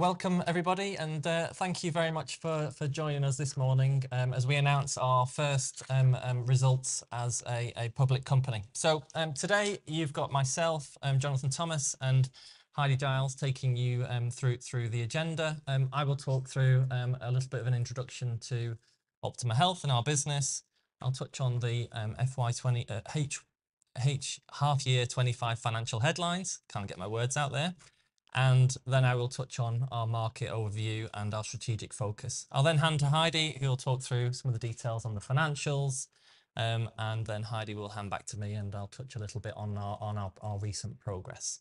Welcome, everybody, and thank you very much for joining us this morning as we announce our first results as a public company. Today you've got myself, Jonathan Thomas, and Heidie Giles taking you through the agenda. I will talk through a little bit of an introduction to Optima Health and our business. I'll touch on the FY20, H1 half-year 2025 financial headlines, kind of get my words out there. Then I will touch on our market overview and our strategic focus. I'll then hand to Heidie, who will talk through some of the details on the financials. Then Heidie will hand back to me, and I'll touch a little bit on our recent progress.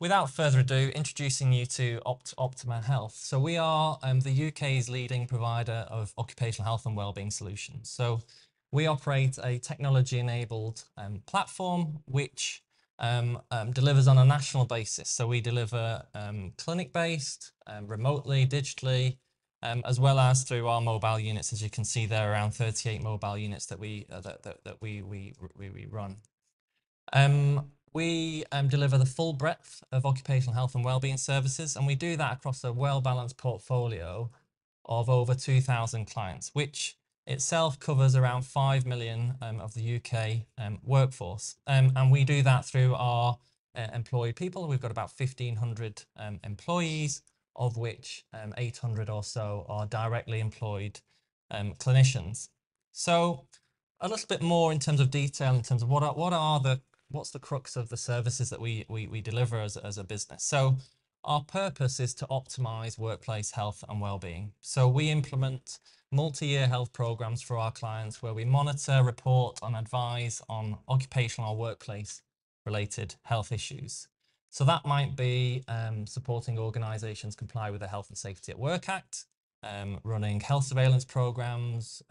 Without further ado, introducing you to Optima Health. We are the U.K.'s leading provider of occupational health and wellbeing solutions. So we operate a technology-enabled platform, which delivers on a national basis. So we deliver clinic-based, remotely, digitally, as well as through our mobile units, as you can see there, around 38 mobile units that we run. We deliver the full breadth of occupational health and well-being services, and we do that across a well-balanced portfolio of over 2,000 clients, which itself covers around 5 million of the U.K. workforce. And we do that through our employed people. We've got about 1,500 employees, of which 800 or so are directly employed clinicians. So a little bit more in terms of detail, in terms of what's the crux of the services that we deliver as a business. So our purpose is to optimize workplace health and well-being. So we implement multi-year health programs for our clients where we monitor, report, and advise on occupational or workplace-related health issues. So that might be supporting organizations comply with the Health and Safety at Work Act, running health surveillance programs,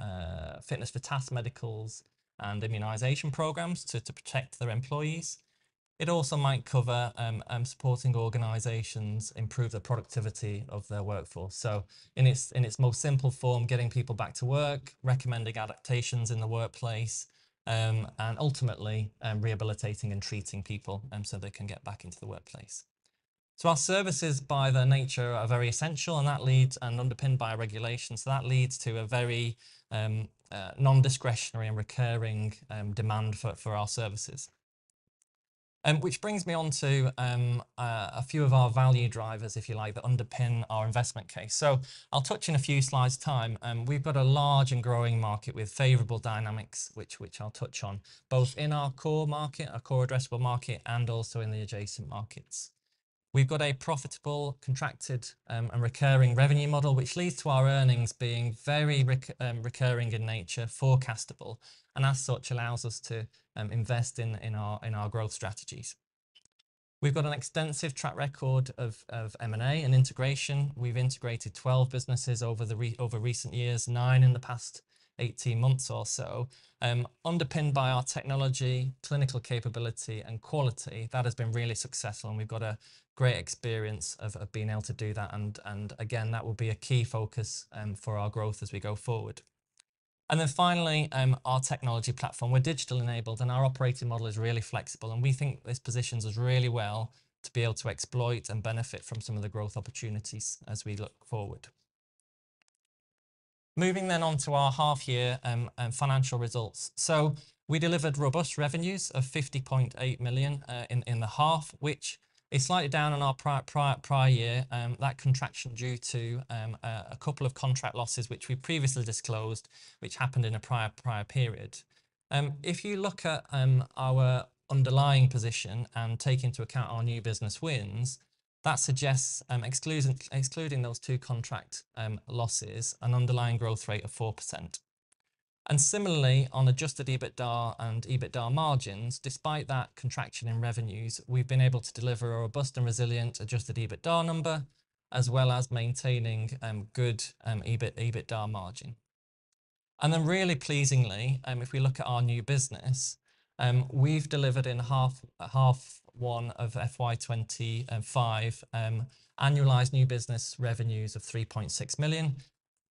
fitness for task medicals, and immunization programs to protect their employees. It also might cover supporting organizations improve the productivity of their workforce. So in its most simple form, getting people back to work, recommending adaptations in the workplace, and ultimately rehabilitating and treating people so they can get back into the workplace. So our services, by their nature, are very essential, and that leads and underpinned by regulations. So that leads to a very non-discretionary and recurring demand for our services. Which brings me on to a few of our value drivers, if you like, that underpin our investment case. So I'll touch in a few slides' time. We've got a large and growing market with favorable dynamics, which I'll touch on both in our core market, our core addressable market, and also in the adjacent markets. We've got a profitable, contracted, and recurring revenue model, which leads to our earnings being very recurring in nature, forecastable, and as such allows us to invest in our growth strategies. We've got an extensive track record of M&A and integration. We've integrated 12 businesses over recent years, nine in the past 18 months or so. Underpinned by our technology, clinical capability, and quality, that has been really successful, and we've got a great experience of being able to do that. And again, that will be a key focus for our growth as we go forward. And then finally, our technology platform, we're digital-enabled, and our operating model is really flexible. And we think this positions us really well to be able to exploit and benefit from some of the growth opportunities as we look forward. Moving then on to our half year financial results. So we delivered robust revenues of 50.8 million in the half, which is slightly down on our prior year. That contraction due to a couple of contract losses, which we previously disclosed, which happened in a prior period. If you look at our underlying position and take into account our new business wins, that suggests excluding those two contract losses, an underlying growth rate of 4%. And similarly, on adjusted EBITDA and EBITDA margins, despite that contraction in revenues, we've been able to deliver a robust and resilient adjusted EBITDA number, as well as maintaining good EBITDA margin. And then really pleasingly, if we look at our new business, we've delivered in half one of FY 2025 annualized new business revenues of 3.6 million.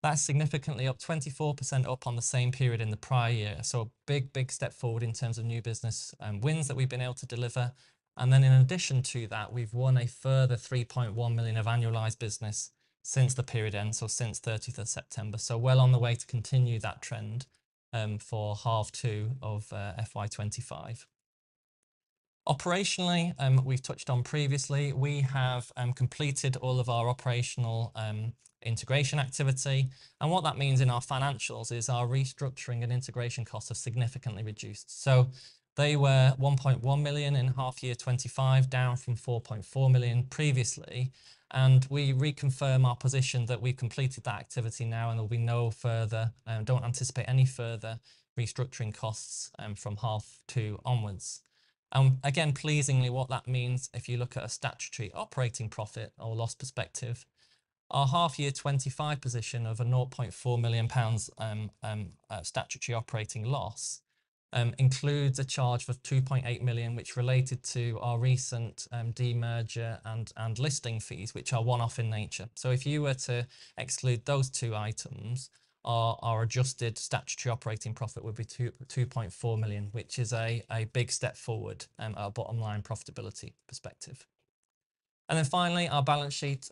That's significantly up 24% on the same period in the prior year. So a big, big step forward in terms of new business wins that we've been able to deliver. And then in addition to that, we've won a further 3.1 million of annualized business since the period end, so since 30th of September. So well on the way to continue that trend for half two of FY 2025. Operationally, we've touched on previously, we have completed all of our operational integration activity. And what that means in our financials is our restructuring and integration costs have significantly reduced. So they were 1.1 million in half year 2025, down from 4.4 million previously. And we reconfirm our position that we've completed that activity now, and there will be no further. Don't anticipate any further restructuring costs from half two onwards. And again, pleasingly, what that means, if you look at a statutory operating profit or loss perspective, our half year 2025 position of a 0.4 million pounds statutory operating loss includes a charge of 2.8 million, which related to our recent demerger and listing fees, which are one-off in nature. So if you were to exclude those two items, our adjusted statutory operating profit would be 2.4 million, which is a big step forward at a bottom line profitability perspective. And then finally, our balance sheet.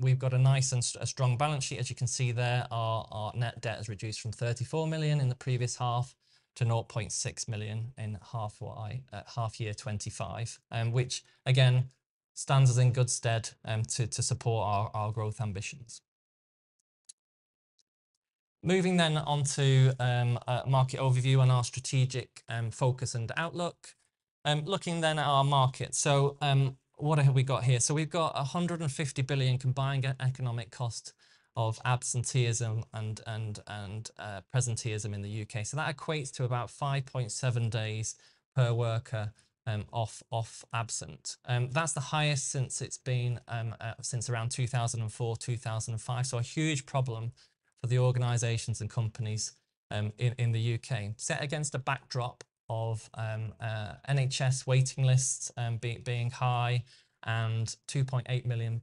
We've got a nice and strong balance sheet. As you can see there, our net debt has reduced from 34 million in the previous half to 0.6 million in half year 2025, which again stands as in good stead to support our growth ambitions. Moving then on to a market overview and our strategic focus and outlook. Looking then at our market, so what have we got here? So we've got 150 billion combined economic cost of absenteeism and presenteeism in the U.K. So that equates to about 5.7 days per worker off absent. That's the highest since it's been around 2004, 2005. So a huge problem for the organizations and companies in the U.K. Set against a backdrop of NHS waiting lists being high and 2.8 million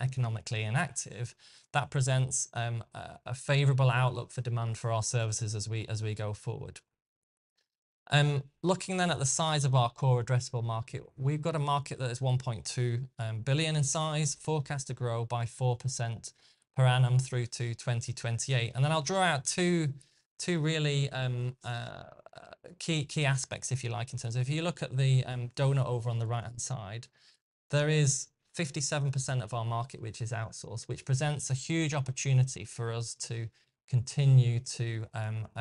economically inactive, that presents a favorable outlook for demand for our services as we go forward. Looking then at the size of our core addressable market, we've got a market that is 1.2 billion in size, forecast to grow by 4% per annum through to 2028. And then I'll draw out two really key aspects, if you like, in terms of if you look at the doughnut over on the right-hand side, there is 57% of our market, which is outsourced, which presents a huge opportunity for us to continue to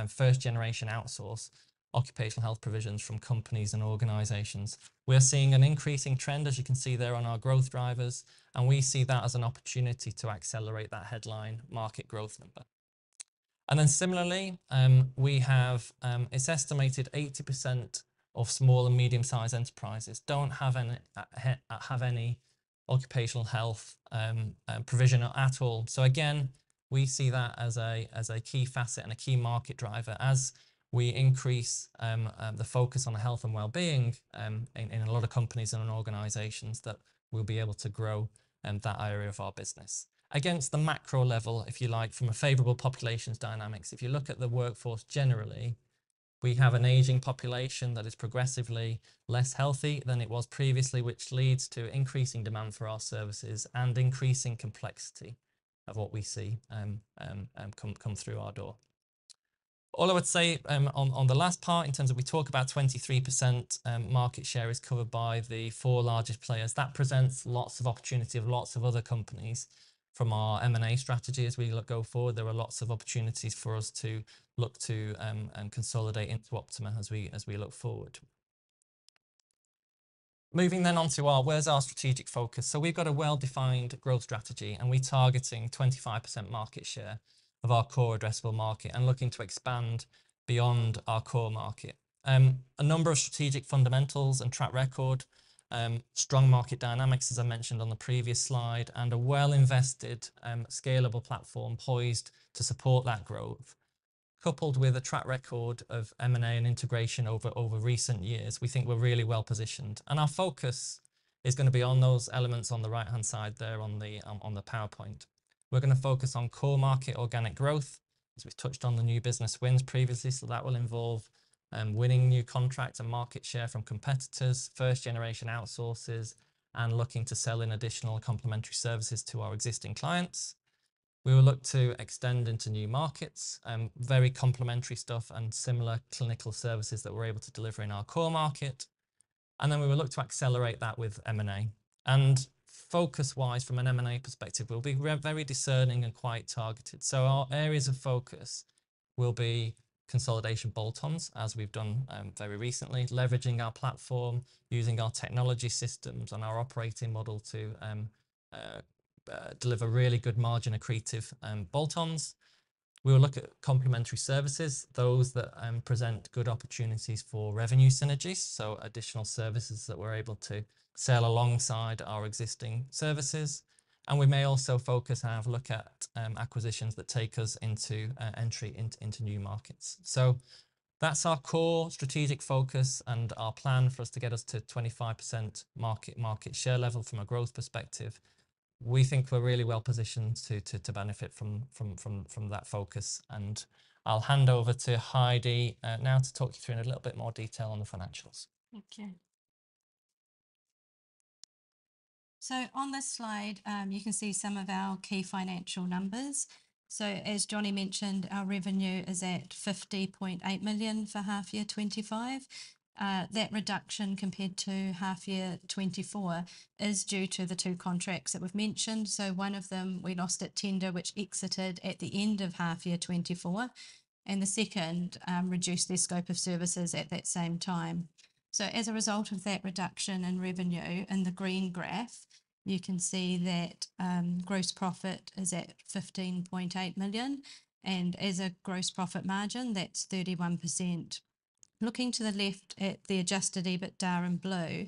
first-generation outsource occupational health provisions from companies and organizations. We are seeing an increasing trend, as you can see there on our growth drivers, and we see that as an opportunity to accelerate that headline market growth number. And then similarly, we have it's estimated 80% of small and medium-sized enterprises don't have any occupational health provision at all. So again, we see that as a key facet and a key market driver as we increase the focus on health and well-being in a lot of companies and organizations that will be able to grow that area of our business. Against the macro level, if you like, from a favorable population dynamics, if you look at the workforce generally, we have an aging population that is progressively less healthy than it was previously, which leads to increasing demand for our services and increasing complexity of what we see come through our door. All I would say on the last part, in terms of we talk about 23% market share is covered by the four largest players. That presents lots of opportunity of lots of other companies from our M&A strategy as we go forward. There are lots of opportunities for us to look to consolidate into Optima as we look forward. Moving then on to our, what's our strategic focus. So we've got a well-defined growth strategy, and we're targeting 25% market share of our core addressable market and looking to expand beyond our core market. A number of strategic fundamentals and track record, strong market dynamics, as I mentioned on the previous slide, and a well-invested scalable platform poised to support that growth. Coupled with a track record of M&A and integration over recent years, we think we're really well positioned. And our focus is going to be on those elements on the right-hand side there on the PowerPoint. We're going to focus on core market organic growth, as we've touched on the new business wins previously. That will involve winning new contracts and market share from competitors, first-generation outsources, and looking to sell in additional complementary services to our existing clients. We will look to extend into new markets, very complementary stuff and similar clinical services that we're able to deliver in our core market. Then we will look to accelerate that with M&A. Focus-wise, from an M&A perspective, we'll be very discerning and quite targeted. Our areas of focus will be consolidation bolt-ons, as we've done very recently, leveraging our platform, using our technology systems and our operating model to deliver really good margin accretive bolt-ons. We will look at complementary services, those that present good opportunities for revenue synergies, so additional services that we're able to sell alongside our existing services. We may also focus and have a look at acquisitions that take us into entry into new markets. So that's our core strategic focus and our plan for us to get us to 25% market share level from a growth perspective. We think we're really well positioned to benefit from that focus. And I'll hand over to Heidie now to talk you through in a little bit more detail on the financials. Okay. So on this slide, you can see some of our key financial numbers. So as Johnny mentioned, our revenue is at 50.8 million for half year 2025. That reduction compared to half year 2024 is due to the two contracts that we've mentioned. So one of them, we lost at tender, which exited at the end of half year 2024. And the second reduced their scope of services at that same time. So as a result of that reduction in revenue in the green graph, you can see that gross profit is at 15.8 million. And as a gross profit margin, that's 31%. Looking to the left at the adjusted EBITDA in blue,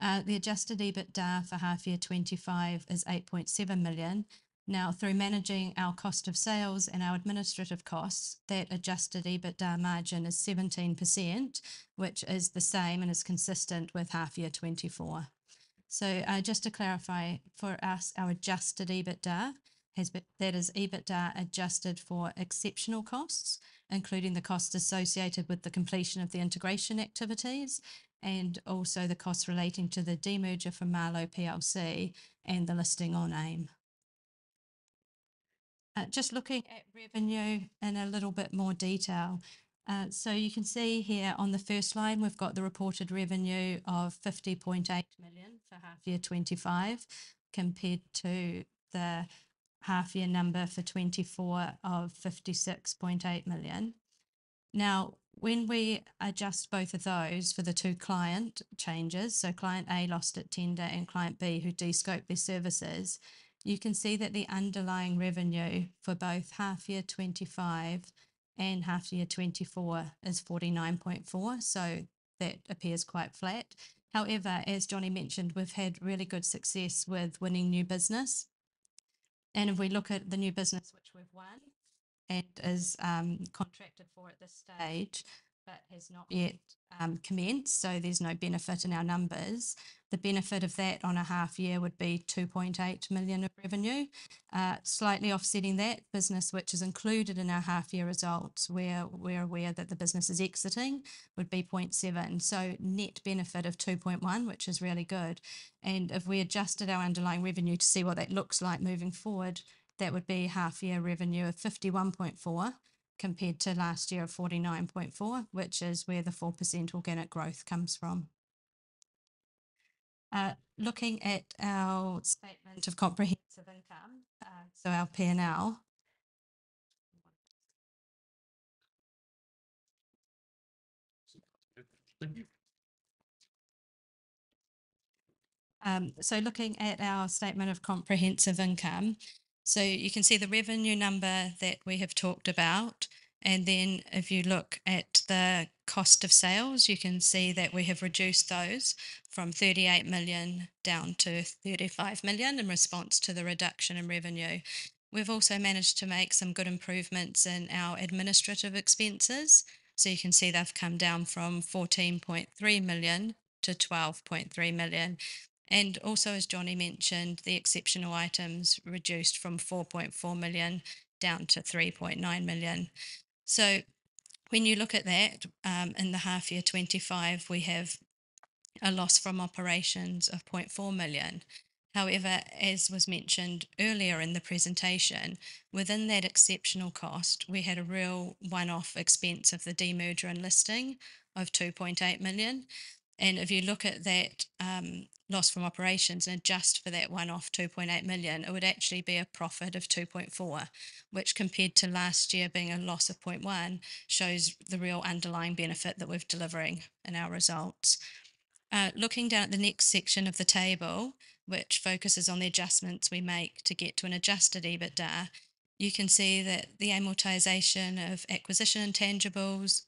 the adjusted EBITDA for half year 2025 is 8.7 million. Now, through managing our cost of sales and our administrative costs, that adjusted EBITDA margin is 17%, which is the same and is consistent with half year 2024. So just to clarify for us, our adjusted EBITDA, that is EBITDA adjusted for exceptional costs, including the cost associated with the completion of the integration activities and also the cost relating to the demerger from Marlowe PLC and the listing on AIM. Just looking at revenue in a little bit more detail. So you can see here on the first line, we've got the reported revenue of 50.8 million for half year 2025 compared to the half year number for 2024 of 56.8 million. Now, when we adjust both of those for the two client changes, so client A lost at tender and client B who descoped their services, you can see that the underlying revenue for both half year 2025 and half year 2024 is 49.4 million. So that appears quite flat. However, as Johnny mentioned, we've had really good success with winning new business. And if we look at the new business, which we've won and is contracted for at this stage, but has not yet commenced, so there's no benefit in our numbers. The benefit of that on a half year would be 2.8 million of revenue. Slightly offsetting that, business which is included in our half year results, we're aware that the business is exiting, would be 0.7 million. So net benefit of 2.1 million, which is really good. If we adjusted our underlying revenue to see what that looks like moving forward, that would be half year revenue of 51.4 million compared to last year of 49.4 million, which is where the 4% organic growth comes from. Looking at our statement of comprehensive income, so our P&L, you can see the revenue number that we have talked about. If you look at the cost of sales, you can see that we have reduced those from 38 million down to 35 million in response to the reduction in revenue. We have also managed to make some good improvements in our administrative expenses. You can see they have come down from 14.3 million to 12.3 million. Also, as Johnny mentioned, the exceptional items reduced from 4.4 million down to 3.9 million. When you look at that in the half year 2025, we have a loss from operations of 0.4 million. However, as was mentioned earlier in the presentation, within that exceptional cost, we had a real one-off expense of the demerger and listing of 2.8 million. And if you look at that loss from operations and adjust for that one-off 2.8 million, it would actually be a profit of 2.4 million, which compared to last year being a loss of 0.1 million shows the real underlying benefit that we're delivering in our results. Looking down at the next section of the table, which focuses on the adjustments we make to get to an adjusted EBITDA, you can see that the amortization of acquisition intangibles,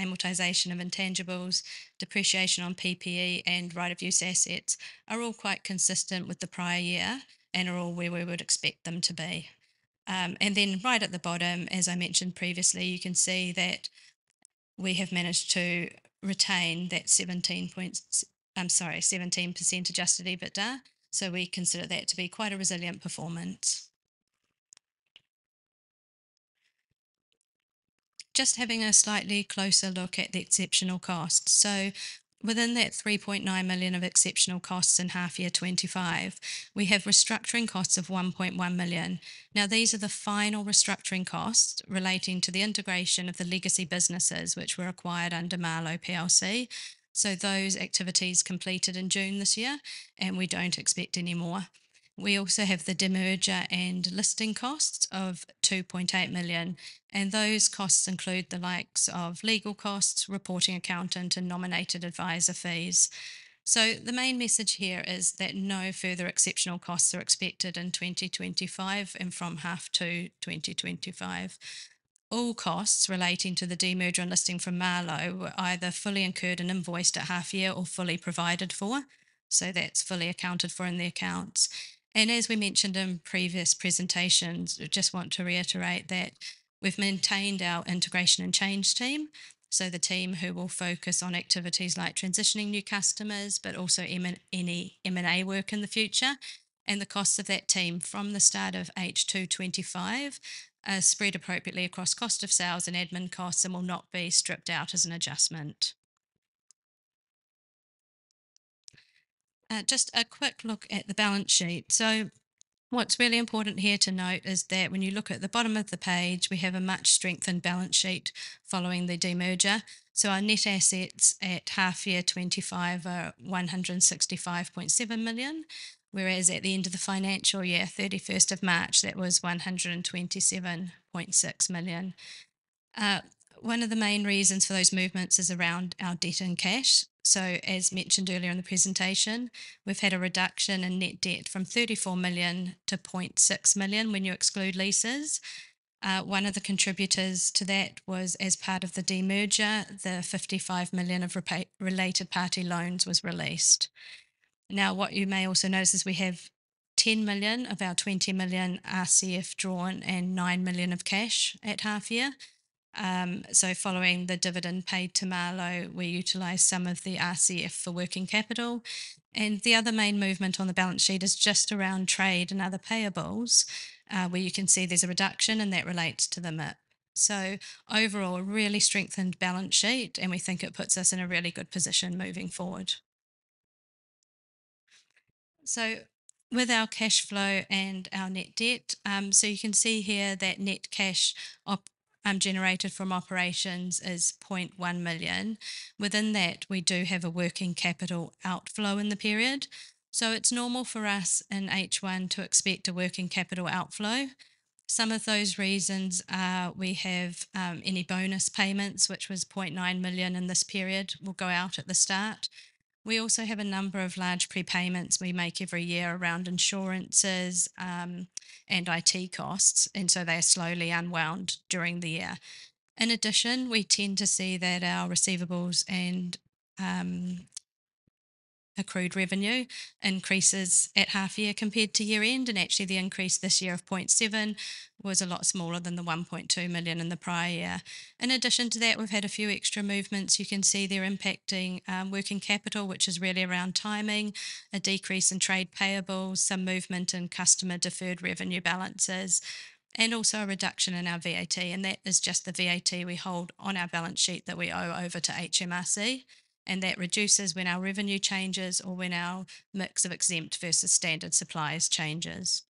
amortization of intangibles, depreciation on PPE, and right of use assets are all quite consistent with the prior year and are all where we would expect them to be. And then right at the bottom, as I mentioned previously, you can see that we have managed to retain that 17% adjusted EBITDA. So we consider that to be quite a resilient performance. Just having a slightly closer look at the exceptional costs. So within that 3.9 million of exceptional costs in half year 2025, we have restructuring costs of 1.1 million. Now, these are the final restructuring costs relating to the integration of the legacy businesses, which were acquired under Marlowe PLC. Those activities completed in June this year, and we don't expect any more. We also have the demerger and listing costs of 2.8 million. Those costs include the likes of legal costs, reporting accountant, and nominated advisor fees. The main message here is that no further exceptional costs are expected in 2025 and from half to 2025. All costs relating to the demerger and listing from Marlowe were either fully incurred and invoiced at half year or fully provided for. That's fully accounted for in the accounts. As we mentioned in previous presentations, we just want to reiterate that we've maintained our integration and change team. The team who will focus on activities like transitioning new customers, but also any M&A work in the future. The costs of that team from the start of H2 2025 are spread appropriately across cost of sales and admin costs and will not be stripped out as an adjustment. Just a quick look at the balance sheet. What's really important here to note is that when you look at the bottom of the page, we have a much strengthened balance sheet following the demerger. Our net assets at half year 2025 are 165.7 million, whereas at the end of the financial year, 31st of March, that was 127.6 million. One of the main reasons for those movements is around our debt and cash. As mentioned earlier in the presentation, we've had a reduction in net debt from 34 million to 0.6 million when you exclude leases. One of the contributors to that was as part of the demerger, the 55 million of related party loans was released. Now, what you may also notice is we have 10 million of our 20 million RCF drawn and 9 million of cash at half year. So following the dividend paid to Marlowe, we utilized some of the RCF for working capital. And the other main movement on the balance sheet is just around trade and other payables, where you can see there's a reduction and that relates to the MIP. So overall, a really strengthened balance sheet, and we think it puts us in a really good position moving forward. So with our cash flow and our net debt, so you can see here that net cash generated from operations is 0.1 million. Within that, we do have a working capital outflow in the period. It's normal for us in H1 to expect a working capital outflow. Some of those reasons are we have any bonus payments, which was 0.9 million in this period, will go out at the start. We also have a number of large prepayments we make every year around insurances and IT costs, and so they are slowly unwound during the year. In addition, we tend to see that our receivables and accrued revenue increases at half year compared to year end, and actually the increase this year of 0.7 million was a lot smaller than the 1.2 million in the prior year. In addition to that, we've had a few extra movements. You can see they're impacting working capital, which is really around timing, a decrease in trade payables, some movement in customer deferred revenue balances, and also a reduction in our VAT. That is just the VAT we hold on our balance sheet that we owe over to HMRC. That reduces when our revenue changes or when our mix of exempt versus standard supplies changes.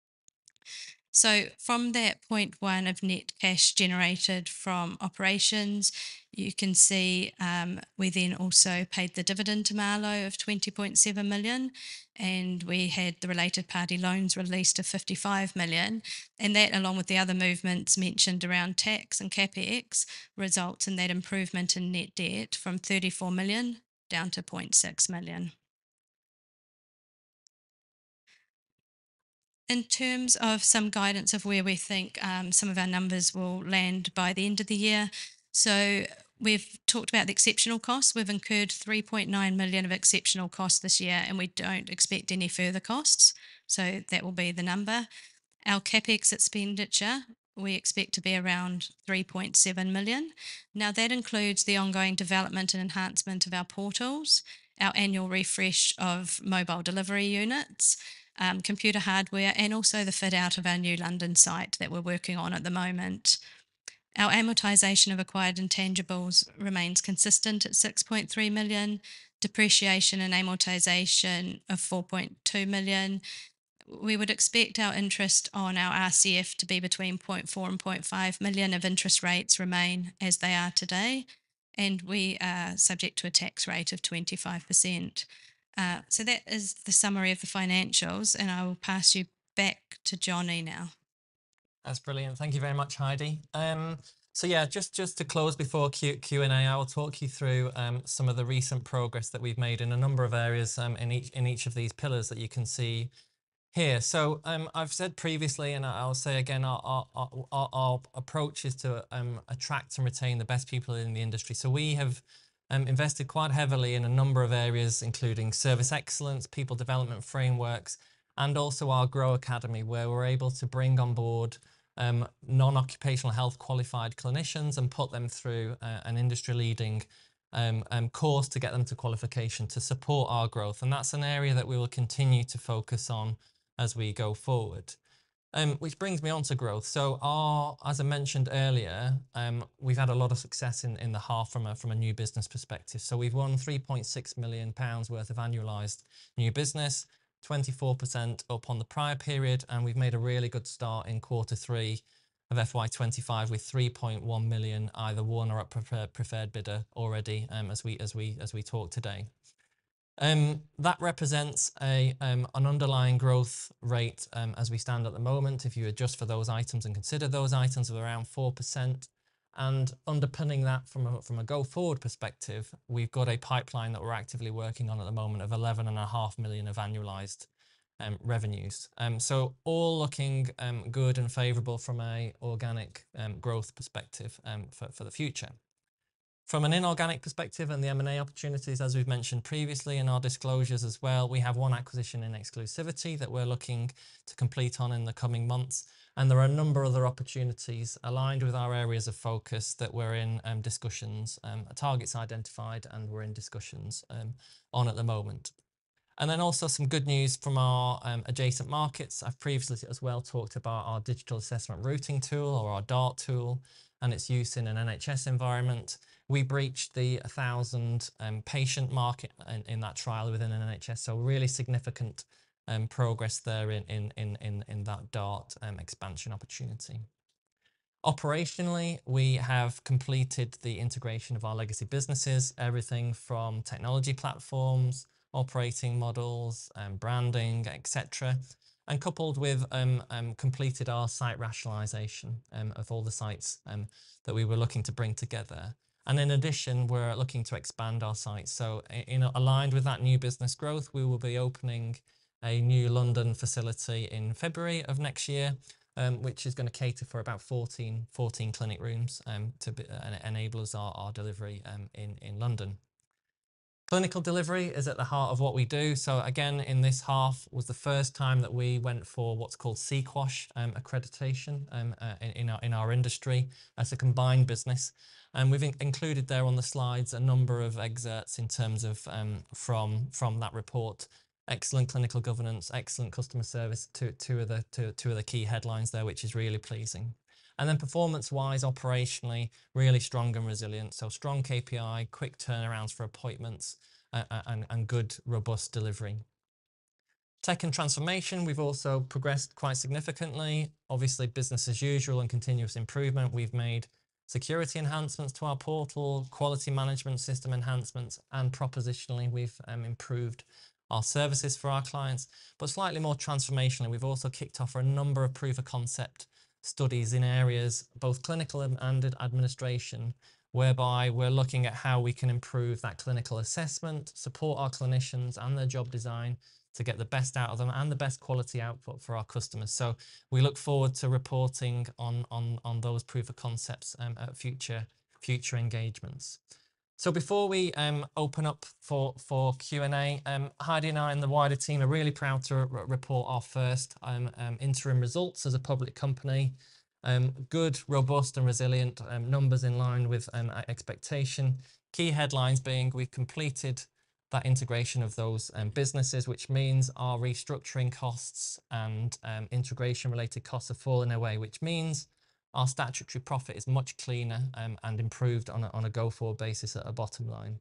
From that 0.1 million of net cash generated from operations, you can see we then also paid the dividend to Marlowe of 20.7 million, and we had the related party loans released of 55 million. That, along with the other movements mentioned around tax and CapEx, results in that improvement in net debt from 34 million down to 0.6 million. In terms of some guidance of where we think some of our numbers will land by the end of the year, we've talked about the exceptional costs. We've incurred 3.9 million of exceptional costs this year, and we don't expect any further costs. That will be the number. Our CapEx expenditure, we expect to be around 3.7 million. Now, that includes the ongoing development and enhancement of our portals, our annual refresh of mobile delivery units, computer hardware, and also the fit out of our new London site that we're working on at the moment. Our amortization of acquired intangibles remains consistent at 6.3 million, depreciation and amortization of 4.2 million. We would expect our interest on our RCF to be between 0.4 million and 0.5 million if interest rates remain as they are today, and we are subject to a tax rate of 25%. That is the summary of the financials, and I will pass you back to Johnny now. That's brilliant. Thank you very much, Heidie. Just to close before Q&A, I will talk you through some of the recent progress that we've made in a number of areas in each of these pillars that you can see here. I've said previously, and I'll say again, our approach is to attract and retain the best people in the industry. We have invested quite heavily in a number of areas, including service excellence, people development frameworks, and also our Grow Academy, where we're able to bring on board non-occupational health qualified clinicians and put them through an industry-leading course to get them to qualification to support our growth. That's an area that we will continue to focus on as we go forward, which brings me on to growth. As I mentioned earlier, we've had a lot of success in the half from a new business perspective. So we've won 3.6 million pounds worth of annualized new business, 24% upon the prior period, and we've made a really good start in quarter three of FY 2025 with 3.1 million either won or at preferred bidder already as we talk today. That represents an underlying growth rate as we stand at the moment. If you adjust for those items and consider those items, we're around 4%. And underpinning that from a go forward perspective, we've got a pipeline that we're actively working on at the moment of 11.5 million of annualized revenues. So all looking good and favorable from an organic growth perspective for the future. From an inorganic perspective and the M&A opportunities, as we've mentioned previously in our disclosures as well, we have one acquisition in exclusivity that we're looking to complete on in the coming months. There are a number of other opportunities aligned with our areas of focus that we're in discussions, targets identified, and we're in discussions on at the moment. And then also some good news from our adjacent markets. I've previously as well talked about our digital assessment routing tool or our DART tool and its use in an NHS environment. We breached the 1,000 patient market in that trial within an NHS. So really significant progress there in that DART expansion opportunity. Operationally, we have completed the integration of our legacy businesses, everything from technology platforms, operating models, branding, etc., and coupled with completed our site rationalization of all the sites that we were looking to bring together. And in addition, we're looking to expand our sites. So aligned with that new business growth, we will be opening a new London facility in February of next year, which is going to cater for about 14 clinic rooms and enables our delivery in London. Clinical delivery is at the heart of what we do. So again, in this half was the first time that we went for what's called SEQOHS accreditation in our industry as a combined business. And we've included there on the slides a number of excerpts in terms of from that report, excellent clinical governance, excellent customer service, two of the key headlines there, which is really pleasing. And then performance-wise, operationally, really strong and resilient. So strong KPI, quick turnarounds for appointments, and good robust delivery. Tech and transformation, we've also progressed quite significantly. Obviously, business as usual and continuous improvement. We've made security enhancements to our portal, quality management system enhancements, and propositionally, we've improved our services for our clients. But slightly more transformationally, we've also kicked off a number of proof of concept studies in areas both clinical and administration, whereby we're looking at how we can improve that clinical assessment, support our clinicians and their job design to get the best out of them and the best quality output for our customers. So we look forward to reporting on those proof of concepts at future engagements. So before we open up for Q&A, Heidie and I and the wider team are really proud to report our first interim results as a public company. Good, robust, and resilient numbers in line with expectation. Key headlines being, we've completed that integration of those businesses, which means our restructuring costs and integration-related costs have fallen away, which means our statutory profit is much cleaner and improved on a go-forward basis at a bottom line.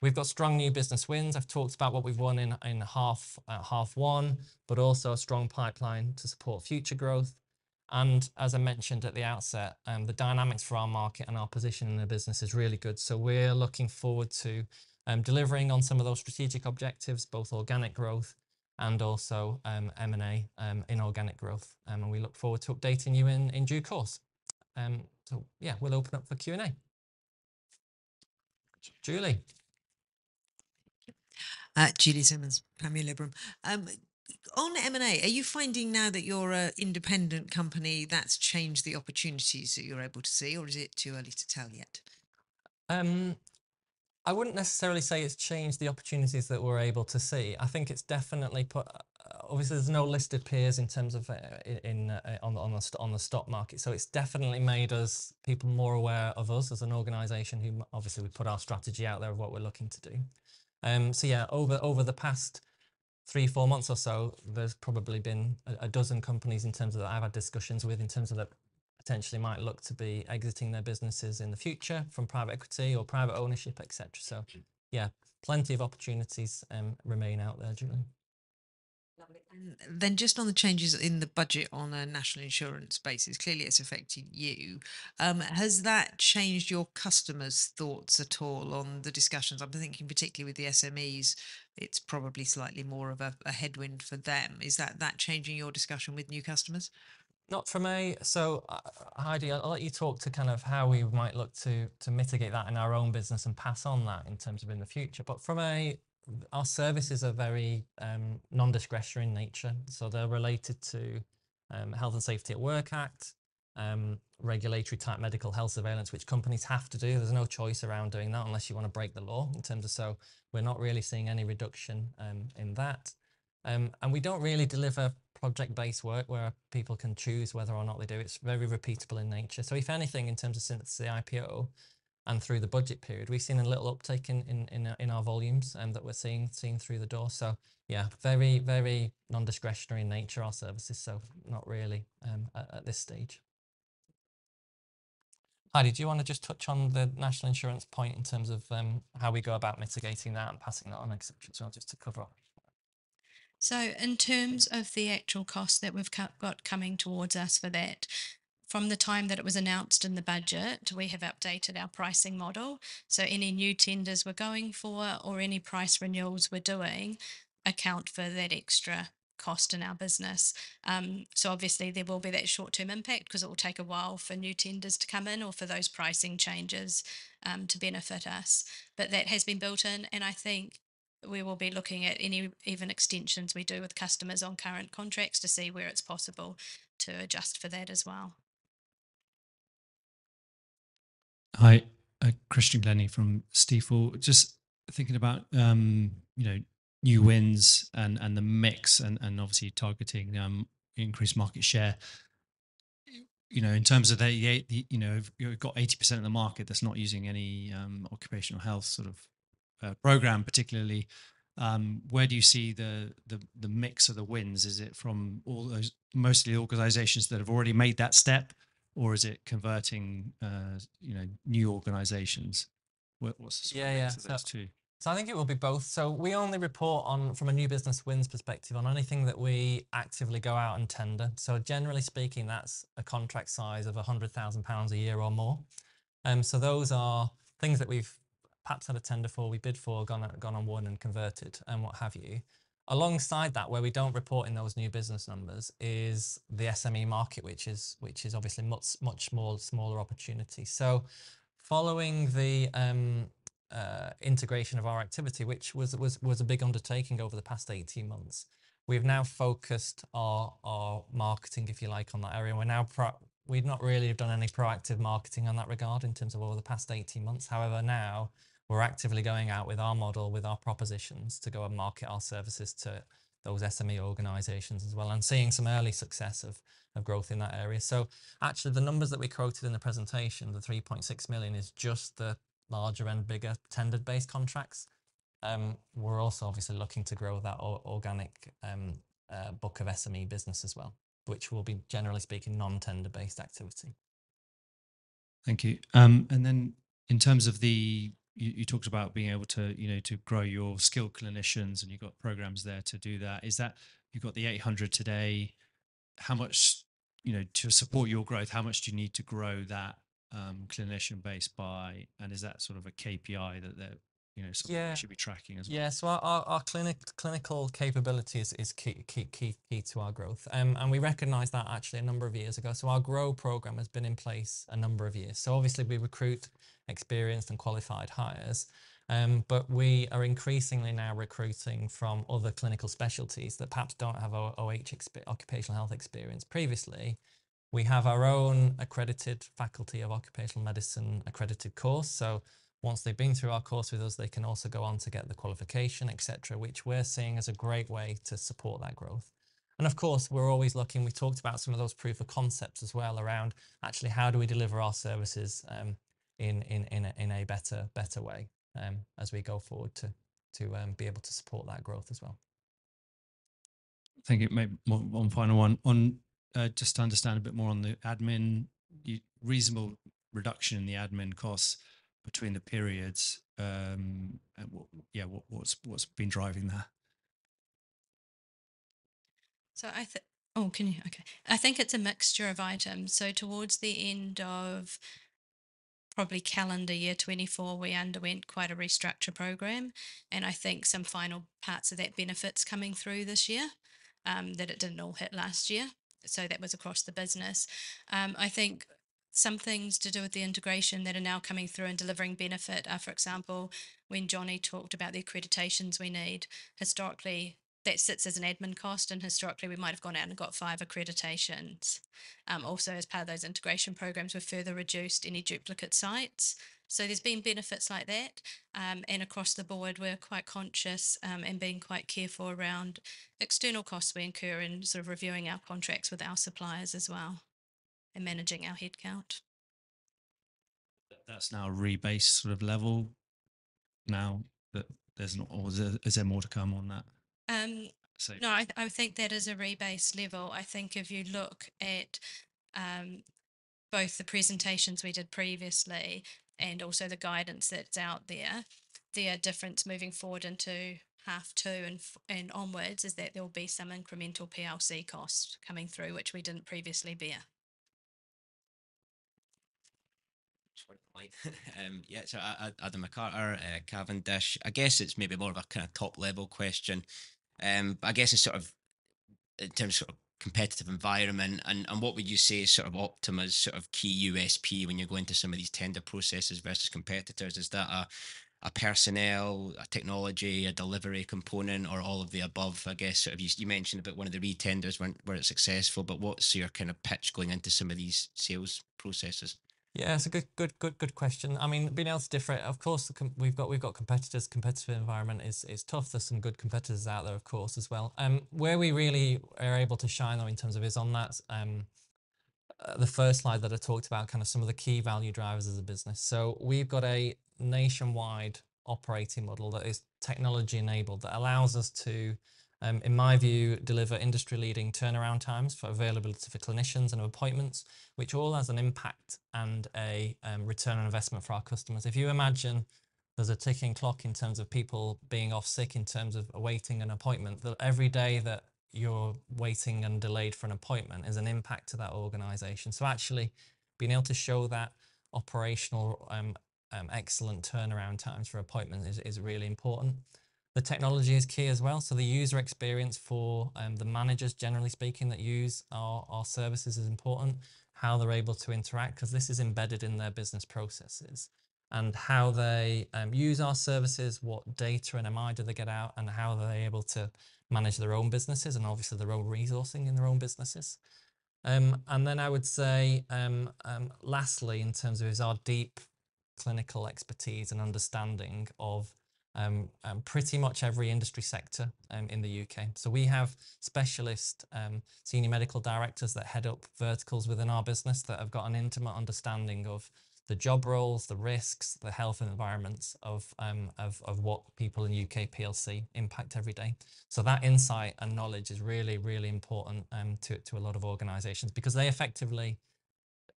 We've got strong new business wins. I've talked about what we've won in half one, but also a strong pipeline to support future growth. And as I mentioned at the outset, the dynamics for our market and our position in the business is really good. So we're looking forward to delivering on some of those strategic objectives, both organic growth and also M&A in organic growth. And we look forward to updating you in due course. So we'll open up for Q&A. Julie. Thank you. Julie Simmons, Panmure Liberum. On M&A, are you finding now that you're an independent company that's changed the opportunities that you're able to see, or is it too early to tell yet? I wouldn't necessarily say it's changed the opportunities that we're able to see. I think it's definitely put, obviously, there's no listed peers in terms of on the stock market. So it's definitely made us people more aware of us as an organization who obviously we put our strategy out there of what we're looking to do. So over the past three, four months or so, there's probably been a dozen companies in terms of that I've had discussions with in terms of that potentially might look to be exiting their businesses in the future from private equity or private ownership, etc. So plenty of opportunities remain out there, Julie. Then just on the changes in the budget on a National Insurance basis, clearly it's affecting you. Has that changed your customers' thoughts at all on the discussions? I'm thinking particularly with the SMEs, it's probably slightly more of a headwind for them. Is that changing your discussion with new customers? So Heidie, I'll let you talk to kind of how we might look to mitigate that in our own business and pass on that in terms of in the future. But from a, our services are very non-discretionary in nature. So they're related to Health and Safety at Work Act, regulatory type medical health surveillance, which companies have to do. There's no choice around doing that unless you want to break the law in terms of. So we're not really seeing any reduction in that. And we don't really deliver project-based work where people can choose whether or not they do. It's very repeatable in nature. So if anything, in terms of since the IPO and through the budget period, we've seen a little uptake in our volumes that we're seeing through the door. So very, very non-discretionary in nature, our services. So not really at this stage. Heidie, do you want to just touch on the National Insurance point in terms of how we go about mitigating that and passing that on, etc.? So I'll just to cover off. So in terms of the actual costs that we've got coming towards us for that, from the time that it was announced in the budget, we have updated our pricing model. So any new tenders we're going for or any price renewals we're doing account for that extra cost in our business. So obviously, there will be that short-term impact because it will take a while for new tenders to come in or for those pricing changes to benefit us. But that has been built in, and I think we will be looking at any even extensions we do with customers on current contracts to see where it's possible to adjust for that as well. Hi, Christian Glennie from Stifel. Just thinking about new wins and the mix and obviously targeting increased market share. In terms of that, you've got 80% of the market that's not using any occupational health sort of program, particularly. Where do you see the mix of the wins? Is it from mostly organizations that have already made that step, or is it converting new organizations? What's the sort of answer there too? So I think it will be both. We only report from a new business wins perspective on anything that we actively go out and tender. Generally speaking, that's a contract size of 100,000 pounds a year or more. Those are things that we've perhaps had a tender for, we bid for, gone on one and converted and what have you. Alongside that, where we don't report in those new business numbers is the SME market, which is obviously much more smaller opportunity. Following the integration of our activity, which was a big undertaking over the past 18 months, we've now focused our marketing, if you like, on that area. We're not really have done any proactive marketing on that regard in terms of over the past 18 months. However, now we're actively going out with our model, with our propositions to go and market our services to those SME organizations as well and seeing some early success of growth in that area, so actually, the numbers that we quoted in the presentation, the £3.6 million is just the larger and bigger tender-based contracts. We're also obviously looking to grow that organic book of SME business as well, which will be generally speaking non-tender-based activity. Thank you. And then in terms of the, you talked about being able to grow your skilled clinicians and you've got programs there to do that. You've got the 800 today. How much to support your growth, how much do you need to grow that clinician base by? And is that sort of a KPI that you should be tracking as well? So our clinical capability is key to our growth. We recognize that actually a number of years ago. Our GROW program has been in place a number of years. Obviously, we recruit experienced and qualified hires, but we are increasingly now recruiting from other clinical specialties that perhaps don't have OH occupational health experience previously. We have our own accredited Faculty of Occupational Medicine-accredited course. So once they've been through our course with us, they can also go on to get the qualification, etc., which we're seeing as a great way to support that growth. Of course, we're always looking. We talked about some of those proof of concepts as well around actually how do we deliver our services in a better way as we go forward to be able to support that growth as well. Thank you. One final one. Just to understand a bit more on the admin, reasonable reduction in the admin costs between the periods. What's been driving that? So I think it's a mixture of items. So towards the end of probably calendar year 2024, we underwent quite a restructure program. And I think some final parts of that benefits coming through this year that it didn't all hit last year. So that was across the business. I think some things to do with the integration that are now coming through and delivering benefit. For example, when Johnny talked about the accreditations we need, historically that sits as an admin cost and historically we might have gone out and got five accreditations. Also, as part of those integration programs, we've further reduced any duplicate sites. So there's been benefits like that. And across the board, we're quite conscious and being quite careful around external costs we incur in sort of reviewing our contracts with our suppliers as well and managing our headcount. That's now a rebase sort of level now that there's not always a ZEM or to come on that? No, I think that is a rebase level. I think if you look at both the presentations we did previously and also the guidance that's out there, the difference moving forward into half two and onwards is that there will be some incremental PLC costs coming through, which we didn't previously bear. So Adam McCarter, Cavendish, I guess it's maybe more of a kind of top-level question. I guess it's sort of in terms of competitive environment and what would you say is sort of Optima's sort of key USP when you go into some of these tender processes versus competitors? Is that a personnel, a technology, a delivery component, or all of the above? I guess sort of you mentioned about one of the re-tenders weren't successful, but what's your kind of pitch going into some of these sales processes? It's a good question. I mean, being able to differentiate, of course, we've got competitors. Competitive environment is tough. There's some good competitors out there, of course, as well. Where we really are able to shine in terms of is on that, the first slide that I talked about kind of some of the key value drivers as a business. We have got a nationwide operating model that is technology-enabled that allows us to, in my view, deliver industry-leading turnaround times for availability for clinicians and appointments, which all has an impact and a return on investment for our customers. If you imagine there's a ticking clock in terms of people being off sick in terms of awaiting an appointment, that every day that you're waiting and delayed for an appointment is an impact to that organization. Actually being able to show that operational excellence turnaround times for appointments is really important. The technology is key as well, so the user experience for the managers, generally speaking, that use our services is important, how they're able to interact, because this is embedded in their business processes. And how they use our services, what data and MI do they get out, and how they're able to manage their own businesses and obviously their own resourcing in their own businesses. And then I would say lastly, in terms of is our deep clinical expertise and understanding of pretty much every industry sector in the U.K. So we have specialist senior medical directors that head up verticals within our business that have got an intimate understanding of the job roles, the risks, the health environments of what people in U.K. PLC impact every day. So that insight and knowledge is really, really important to a lot of organizations because they effectively,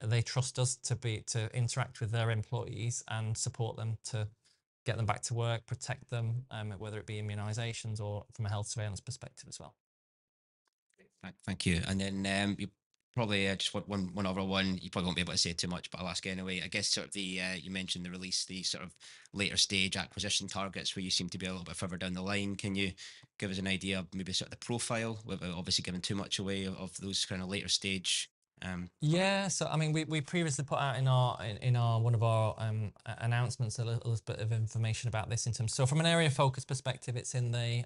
they trust us to interact with their employees and support them to get them back to work, protect them, whether it be immunizations or from a health surveillance perspective as well. Thank you. And then probably just one over one, you probably won't be able to say too much, but I'll ask anyway. I guess sort of the, you mentioned the release, the sort of later stage acquisition targets where you seem to be a little bit further down the line. Can you give us an idea of maybe sort of the profile with obviously giving too much away of those kind of later stage? So I mean, we previously put out in one of our announcements a little bit of information about this in terms of, so from an area of focus perspective, it's in the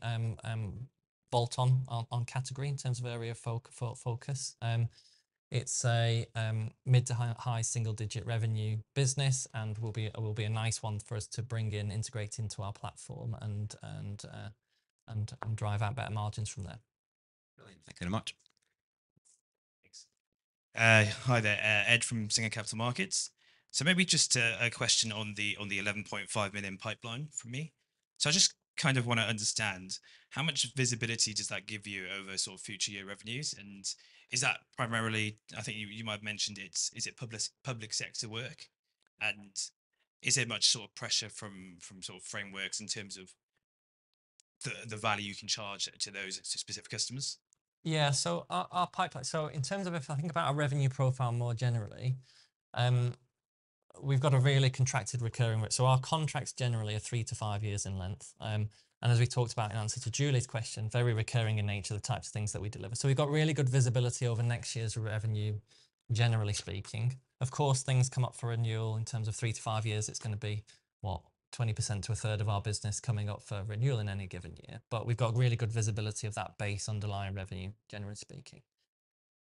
bolt-on category in terms of area of focus. It's a mid to high single-digit revenue business and will be a nice one for us to bring in, integrate into our platform and drive out better margins from there. Thank you very much. Hi there, Ed from Singer Capital Markets. So maybe just a question on the 11.5 million pipeline for me. So I just kind of want to understand how much visibility does that give you over sort of future year revenues? And is that primarily, I think you might have mentioned it's, is it public sector work? And is there much sort of pressure from sort of frameworks in terms of the value you can charge to those specific customers? So our pipeline, so in terms of if I think about our revenue profile more generally, we've got a really contracted recurring rate. So our contracts generally are three to five years in length. And as we talked about in answer to Julie's question, very recurring in nature, the types of things that we deliver. So we've got really good visibility over next year's revenue, generally speaking. Of course, things come up for renewal in terms of three to five years. It's going to be what, 20% to a third of our business coming up for renewal in any given year. But we've got really good visibility of that base underlying revenue, generally speaking.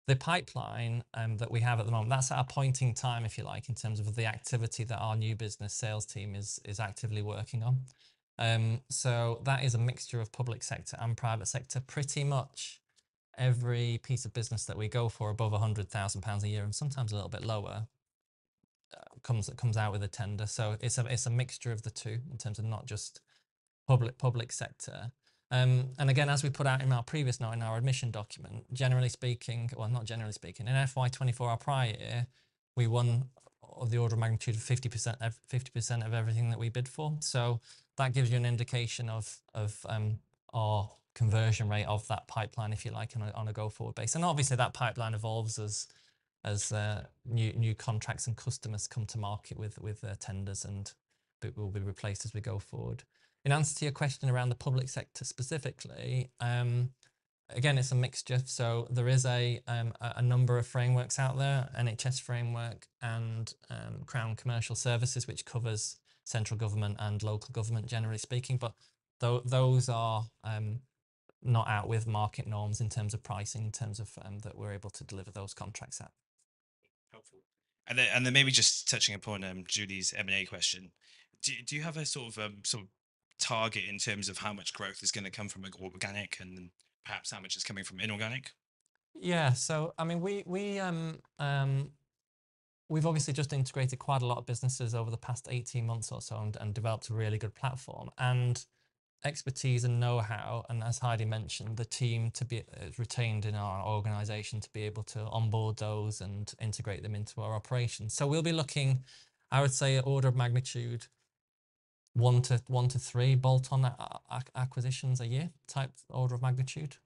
The pipeline that we have at the moment, that's our point in time, if you like, in terms of the activity that our new business sales team is actively working on. So that is a mixture of public sector and private sector. Pretty much every piece of business that we go for above 100,000 pounds a year and sometimes a little bit lower comes out with a tender. So it's a mixture of the two in terms of not just public sector. Again, as we put out in our previous note in our admission document, generally speaking, or not generally speaking, in FY24, our prior year, we won of the order of magnitude of 50% of everything that we bid for. So that gives you an indication of our conversion rate of that pipeline, if you like, on a go-forward base. And obviously, that pipeline evolves as new contracts and customers come to market with tenders and will be replaced as we go forward. In answer to your question around the public sector specifically, again, it's a mixture. So there is a number of frameworks out there, NHS framework and Crown Commercial Services, which covers central government and local government, generally speaking, but those are not out with market norms in terms of pricing, in terms of that we're able to deliver those contracts out. Helpful. Then maybe just touching upon Julie's M&A question, do you have a sort of target in terms of how much growth is going to come from organic and perhaps how much is coming from inorganic? So I mean, we've obviously just integrated quite a lot of businesses over the past 18 months or so and developed a really good platform and expertise and know-how. And as Heidie mentioned, the team to be retained in our organization to be able to onboard those and integrate them into our operations. So we'll be looking. I would say an order of magnitude one-three bolt-on acquisitions a year type order of magnitude.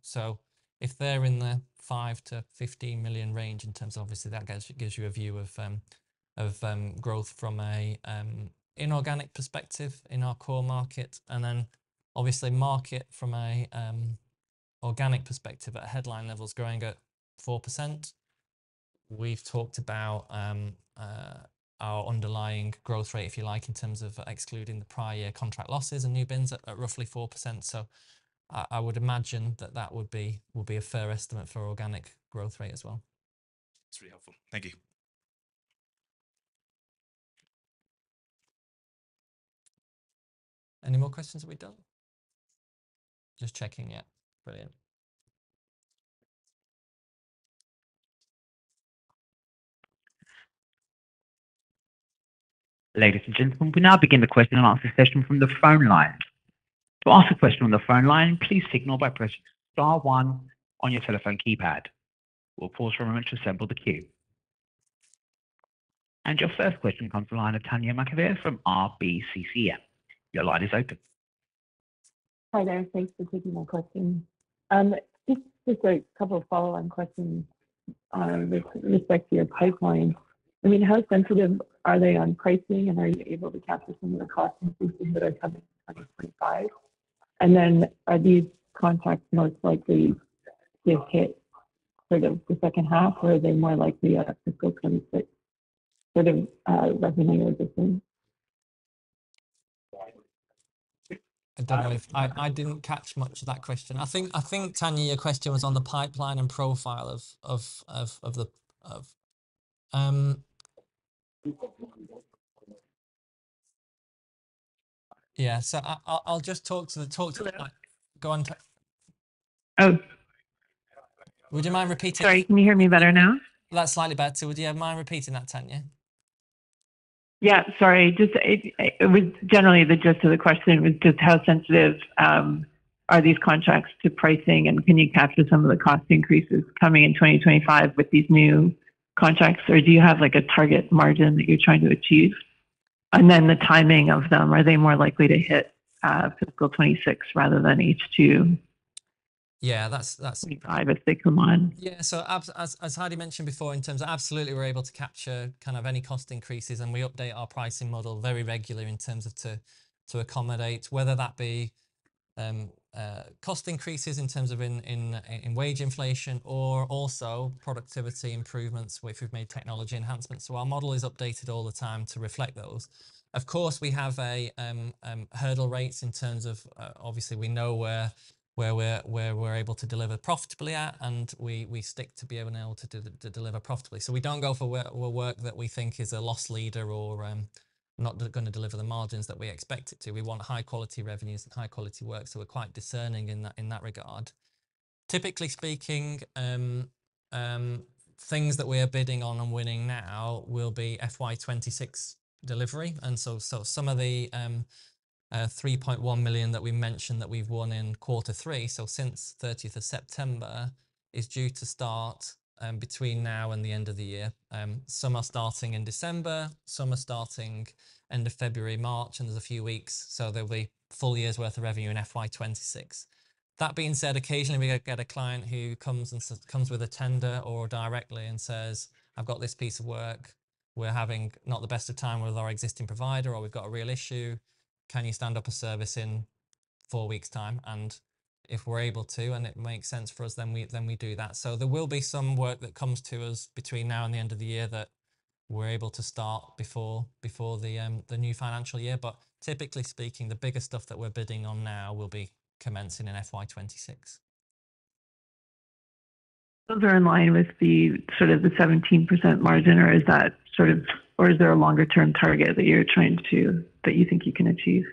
So if they're in the 5-15 million range in terms of obviously that gives you a view of growth from an inorganic perspective in our core market. And then obviously market from an organic perspective at headline levels growing at 4%. We've talked about our underlying growth rate, if you like, in terms of excluding the prior year contract losses and new bins at roughly 4%. So I would imagine that that would be a fair estimate for organic growth rate as well. That's really helpful. Thank you. Any more questions that we've done? Just checking yet. Brilliant. Ladies and gentlemen, we now begin the question and answer session from the phone line. To ask a question on the phone line, please signal by pressing star one on your telephone keypad. We'll pause for a moment to assemble the queue. And your first question comes from the line of Tanya Makovere from RBC. Your line is open. Hi there. Thanks for taking my question. Just a couple of follow-on questions with respect to your pipeline. I mean, how sensitive are they on pricing and are you able to capture some of the costs and fees that are coming in 2025? And then are these contracts most likely to hit sort of the H2 or are they more likely to still kind of sit sort of revenue-resistant? I didn't catch much of that question. I think, Tanya, your question was on the pipeline and profile of... So I'll just talk to... Go on. Would you mind repeating? Sorry, can you hear me better now? That's slightly better. Would you mind repeating that, Tanya? Sorry. Just generally, the gist of the question was just how sensitive are these contracts to pricing and can you capture some of the cost increases coming in 2025 with these new contracts or do you have like a target margin that you're trying to achieve? And then the timing of them, are they more likely to hit FY 2026 rather than H2? That's 2025 if they come on. So as Heidie mentioned before, in terms of absolutely we're able to capture kind of any cost increases and we update our pricing model very regularly in terms of to accommodate whether that be cost increases in terms of in wage inflation or also productivity improvements where we've made technology enhancements. So our model is updated all the time to reflect those. Of course, we have hurdle rates in terms of obviously we know where we're able to deliver profitably at and we stick to being able to deliver profitably. So we don't go for work that we think is a loss leader or not going to deliver the margins that we expect it to. We want high-quality revenues and high-quality work, so we're quite discerning in that regard. Typically speaking, things that we are bidding on and winning now will be FY 2026 delivery. And so some of the 3.1 million that we mentioned that we've won in Q3, so since 30th of September, is due to start between now and the end of the year. Some are starting in December, some are starting end of February, March, and there's a few weeks, so there'll be full years' worth of revenue in FY 2026. That being said, occasionally we get a client who comes with a tender or directly and says, "I've got this piece of work, we're having not the best of time with our existing provider, or we've got a real issue, can you stand up a service in four weeks' time?" And if we're able to and it makes sense for us, then we do that. So there will be some work that comes to us between now and the end of the year that we're able to start before the new financial year. But typically speaking, the biggest stuff that we're bidding on now will be commencing in FY 2026. Those are in line with the sort of the 17% margin, or is that sort of, or is there a longer-term target that you're trying to, that you think you can achieve?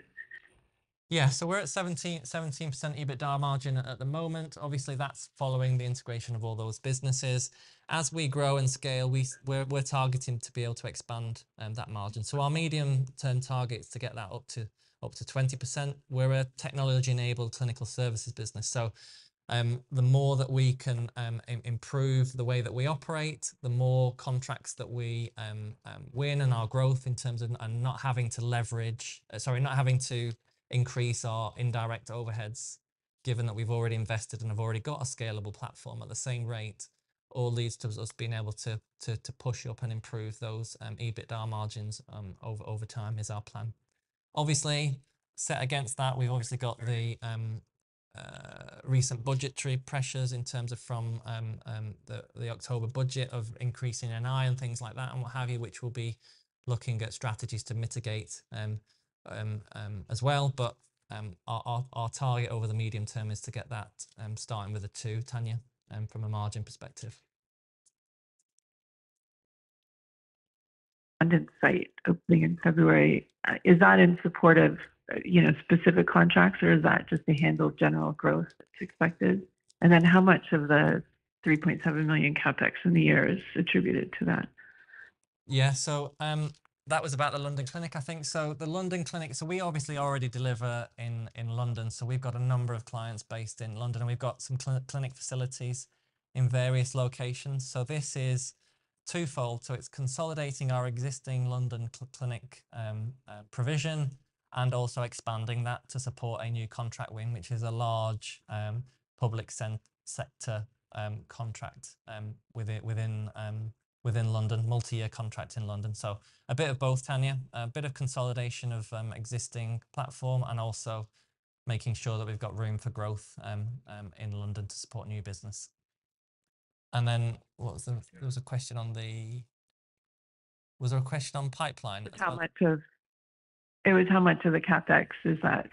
So we're at 17% EBITDA margin at the moment. Obviously, that's following the integration of all those businesses. As we grow and scale, we're targeting to be able to expand that margin. So our medium-term target is to get that up to 20%. We're a technology-enabled clinical services business. So the more that we can improve the way that we operate, the more contracts that we win and our growth in terms of not having to leverage, sorry, not having to increase our indirect overheads, given that we've already invested and have already got a scalable platform at the same rate, all leads to us being able to push up and improve those EBITDA margins over time is our plan. Obviously, set against that, we've obviously got the recent budgetary pressures in terms of from the October Budget of increasing NI and things like that and what have you, which will be looking at strategies to mitigate as well, but our target over the medium term is to get that starting with a two, Tanya, from a margin perspective. London site opening in February. Is that in support of specific contracts or is that just to handle general growth that's expected? And then how much of the 3.7 million CapEx in the year is attributed to that? So that was about the London clinic, I think, so the London clinic, so we obviously already deliver in London. So we've got a number of clients based in London and we've got some clinic facilities in various locations, so this is twofold. It's consolidating our existing London clinic provision and also expanding that to support a new contract win, which is a large public sector contract within London, multi-year contract in London. So a bit of both, Tanya, a bit of consolidation of existing platform and also making sure that we've got room for growth in London to support new business. And then there was a question on the, was there a question on pipeline? How much of it was how much of the CapEx is that?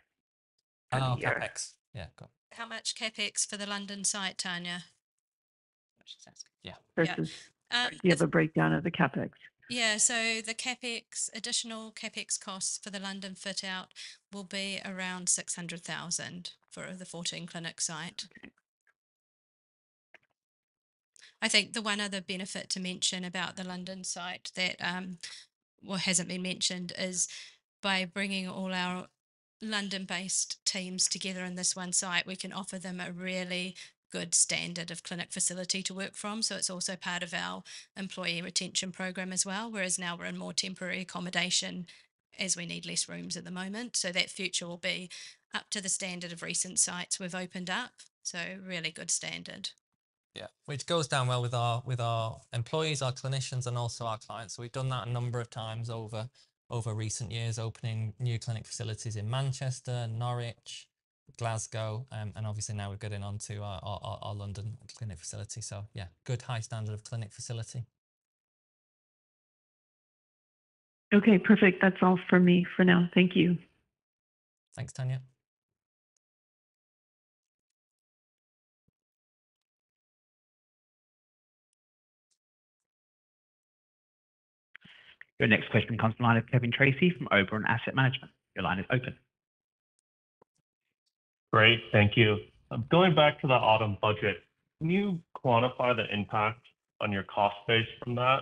Oh, CapEx. Go on. How much CapEx for the London site, Tanya? Do you have a breakdown of the CapEx? So the CapEx, additional CapEx costs for the London fit-out will be around 600,000 for the 14 clinic site. I think the one other benefit to mention about the London site that hasn't been mentioned is, by bringing all our London-based teams together in this one site, we can offer them a really good standard of clinic facility to work from, so it's also part of our employee retention program as well, whereas now we're in more temporary accommodation as we need less rooms at the moment, so that future will be up to the standard of recent sites we've opened up, so really good standard. Which goes down well with our employees, our clinicians, and also our clients, so we've done that a number of times over recent years, opening new clinic facilities in Manchester, Norwich, Glasgow, and obviously now we're getting on to our London clinic facility, so good high standard of clinic facility. Okay, perfect. That's all for me for now. Thank you. Thanks, Tanya. Your next question comes from line of Kevin Tracy from Oberon Asset Management. Your line is open. Great, thank you. Going back to the Autumn Budget, can you quantify the impact on your cost base from that?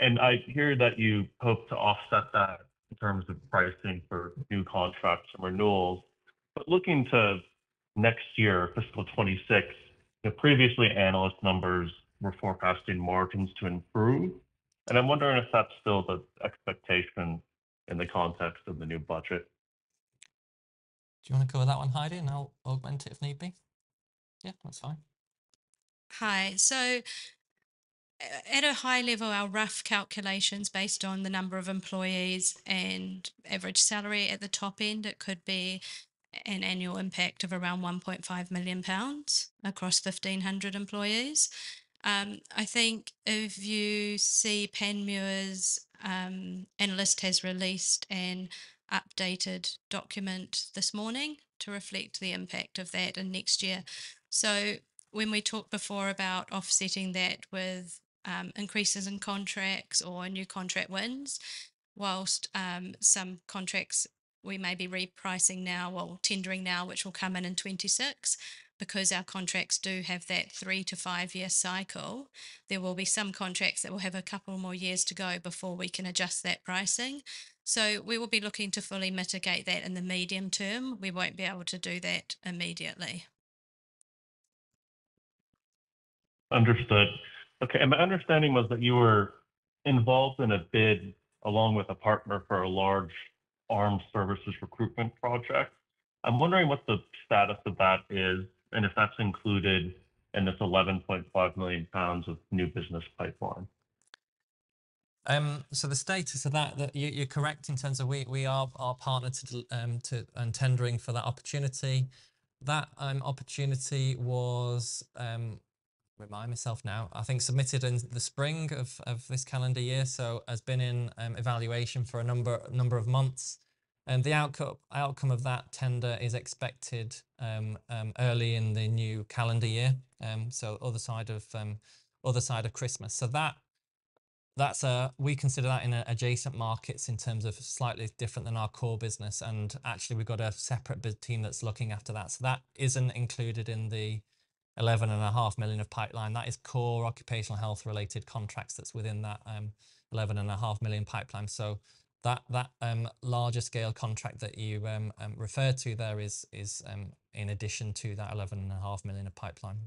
And I hear that you hope to offset that in terms of pricing for new contracts and renewals. But looking to next year, FY 2026, previously analyst numbers were forecasting margins to improve. And I'm wondering if that's still the expectation in the context of the new budget. Do you want to go with that one, Heidie, and I'll augment it if need be? That's fine. Hi, so at a high level, our rough calculations based on the number of employees and average salary at the top end, it could be an annual impact of around 1.5 million pounds across 1,500 employees. I think if you see Panmure's analyst has released an updated document this morning to reflect the impact of that in next year. So when we talked before about offsetting that with increases in contracts or new contract wins, whilst some contracts we may be repricing now or tendering now, which will come in in 2026, because our contracts do have that three to five-year cycle, there will be some contracts that will have a couple more years to go before we can adjust that pricing. So we will be looking to fully mitigate that in the medium term. We won't be able to do that immediately. Understood. Okay, and my understanding was that you were involved in a bid along with a partner for a large armed services recruitment project. I'm wondering what the status of that is and if that's included in this 11.5 million pounds of new business pipeline. So the status of that, you're correct in terms of we are partnered and tendering for that opportunity. That opportunity was, remind myself now, I think submitted in the spring of this calendar year, so has been in evaluation for a number of months. And the outcome of that tender is expected early in the new calendar year, so other side of Christmas. That's a, we consider that in adjacent markets in terms of slightly different than our core business. And actually, we've got a separate team that's looking after that. So that isn't included in the 11.5 million of pipeline. That is core occupational health-related contracts that's within that 11.5 million pipeline. That larger scale contract that you refer to there is in addition to that 11.5 million of pipeline.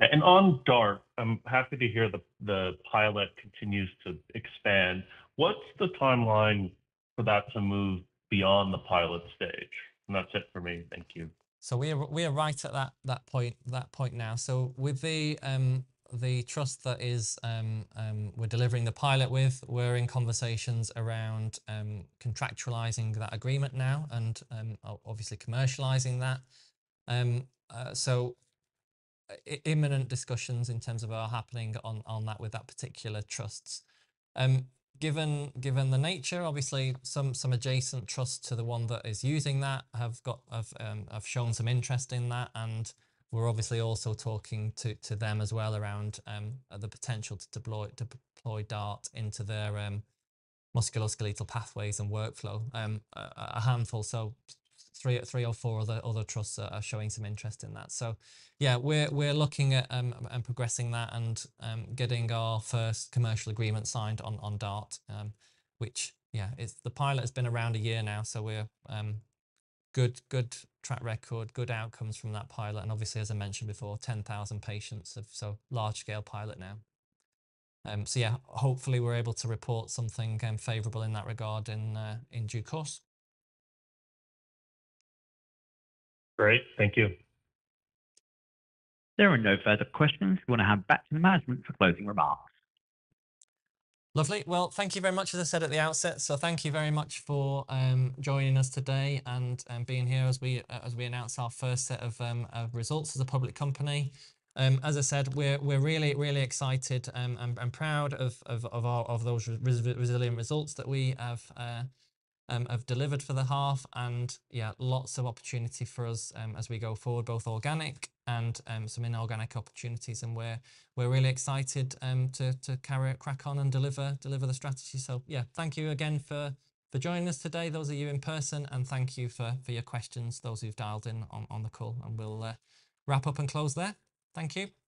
And on DART, I'm happy to hear the pilot continues to expand. What's the timeline for that to move beyond the pilot stage? And that's it for me. Thank you. So we are right at that point now. So with the trust that we're delivering the pilot with, we're in conversations around contractualizing that agreement now and obviously commercializing that. So imminent discussions in terms of what's happening on that with that particular trust. Given the nature, obviously some adjacent trusts to the one that is using that have shown some interest in that. And we're obviously also talking to them as well around the potential to deploy DART into their musculoskeletal pathways and workflow. A handful, so three or four other trusts are showing some interest in that. We're looking at progressing that and getting our first commercial agreement signed on DART, which the pilot has been around a year now, so we're good track record good outcomes from that pilot. And obviously, as I mentioned before, 10,000 patients so it's a large scale pilot now. Hopefully we're able to report something favorable in that regard in due course. Great, thank you. There are no further questions. We want to hand back to the management for closing remarks. Lovely. Thank you very much, as I said at the outset. Thank you very much for joining us today and being here as we announce our first set of results as a public company. As I said, we're really, really excited and proud of those resilient results that we have delivered for the half. Lots of opportunity for us as we go forward, both organic and some inorganic opportunities. We're really excited to crack on and deliver the strategy. Thank you again for joining us today, those of you in person, and thank you for your questions, those who've dialed in on the call. We'll wrap up and close there. Thank you.